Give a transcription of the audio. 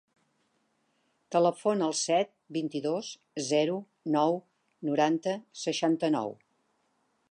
Telefona al set, vint-i-dos, zero, nou, noranta, seixanta-nou.